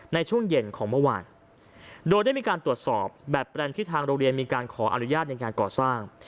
ในช่วงเย็นของเมื่อวานโดยได้มีการตรวจสอบแบบแปลนที่ทางโรงเรียนมีการขออนุญาตในงานก่อสร้าง